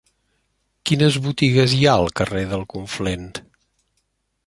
Quines botigues hi ha al carrer del Conflent?